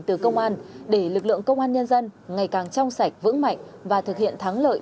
từ công an để lực lượng công an nhân dân ngày càng trong sạch vững mạnh và thực hiện thắng lợi